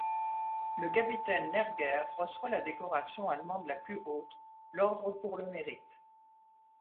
Le capitaine Nerger reçoit la décoration allemande la plus haute, l'ordre Pour le Mérite.